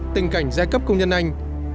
tình cảnh giai cấp công nhân anh